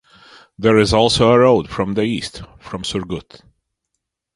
There is also a road from the east from Surgut.